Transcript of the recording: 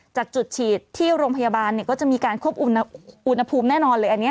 จากจุดฉีดที่โรงพยาบาลก็จะมีการควบคุมอุณหภูมิแน่นอนเลยอันนี้